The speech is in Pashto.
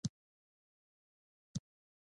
دوی پر ارزښتونو باندې بریدونه او ناتارونه کوي.